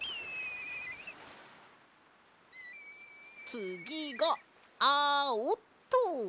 つぎがあおっと！